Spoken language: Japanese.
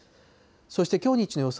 そしてきょう日中の予想